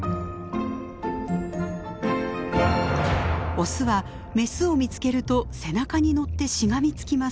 オスはメスを見つけると背中に乗ってしがみつきます。